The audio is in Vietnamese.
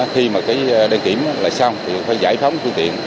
khi mà đăng kiểm là xong thì phải giải phóng phương tiện